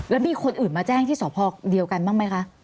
แล้วมีคนอื่นมาแจ้งที่สพเดียวกันบ้างไหมคะ